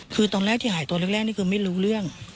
คือตอนแรกที่หายตัวแรกนี่คือไม่รู้เรื่อง